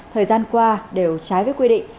thời gian qua đều trái với quy định